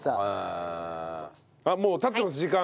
あっもう経ってます時間。